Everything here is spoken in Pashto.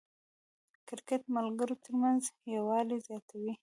کرکټ د ملګرو ترمنځ یووالی زیاتوي.